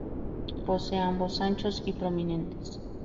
Posee ambos anchos y prominentes.